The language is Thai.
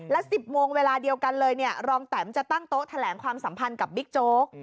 และ๑๐โมงเวลาเดียวกันเลยรองแตมจะตั้งโต๊ะแถลงความสัมพันธ์กับบิ๊กโจ๊ก